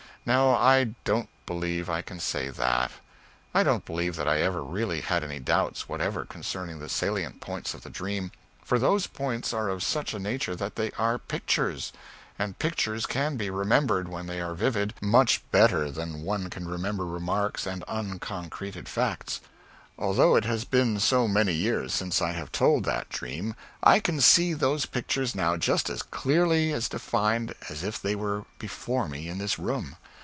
No, I don't believe I can say that. I don't believe that I ever really had any doubts whatever concerning the salient points of the dream, for those points are of such a nature that they are pictures, and pictures can be remembered, when they are vivid, much better than one can remember remarks and unconcreted facts. Although it has been so many years since I have told that dream, I can see those pictures now just as clearly defined as if they were before me in this room.